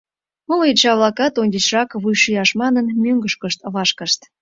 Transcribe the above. Моло йоча-влакат, ончычрак вуйшияш манын, мӧҥгышкышт вашкышт.